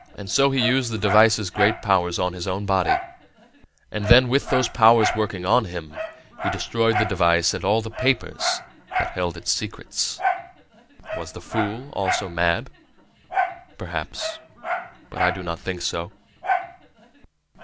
And so he used the device's great powers on his own body; and then, with those powers working on him, he destroyed the device and all the papers that held its secrets. Was the fool also mad? Perhaps. But I do not think so.